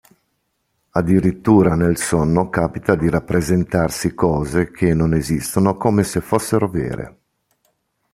Addirittura nel sonno capita di rappresentarsi cose che non esistono come se fossero vere.